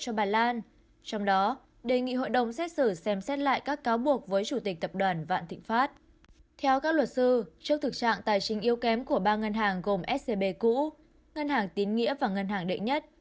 theo các luật sư trước thực trạng tài chính yếu kém của ba ngân hàng gồm scb cũ ngân hàng tín nghĩa và ngân hàng đệ nhất